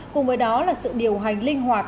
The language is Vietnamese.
cùng với đó là sự điều hành linh hoạt